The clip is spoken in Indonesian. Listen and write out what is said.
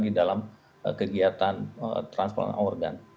di dalam kegiatan transfer organ